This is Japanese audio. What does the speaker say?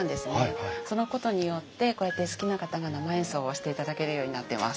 そのことによってこうやって好きな方が生演奏をしていただけるようになってます。